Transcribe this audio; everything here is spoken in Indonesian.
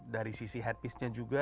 dari sisi happiece nya juga